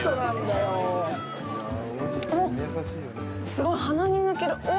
おっ、すごい鼻に抜ける。